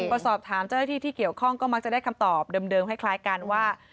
ประสอบถามเจ้าระทิธิเกี่ยวข้องก็มักจะได้คำตอบเดิมให้คล้ายกันว่า